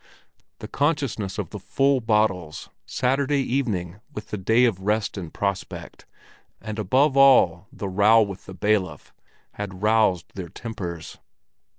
The consciousness of the full bottles, Saturday evening with the day of rest in prospect, and above all the row with the bailiff, had roused their tempers.